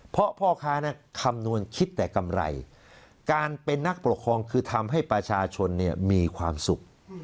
เพราะพ่อค้าคำนวณคิดแต่กำไรการเป็นนักปกครองคือทำให้ประชาชนมีความสุข